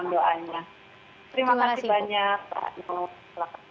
amin terima kasih banyak